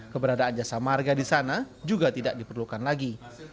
keberadaan jasa marga di sana juga tidak diperlukan lagi